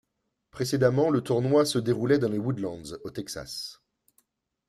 Précédemment, le tournoi se déroulait dans les Woodlands au Texas.